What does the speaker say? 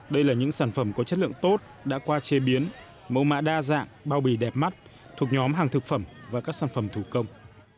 đây là những sản phẩm có chất lượng tốt đã qua chế biến mẫu mã đa dạng bao bì đẹp mắt thuộc nhóm hàng thực phẩm và các sản phẩm thủ công